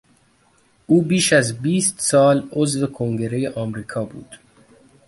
او بیش از بیست سال عضو کنگرهی امریکا بود.